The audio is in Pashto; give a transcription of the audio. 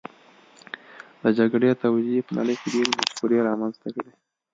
د جګړې توجیې په نړۍ کې ډېرې مفکورې رامنځته کړې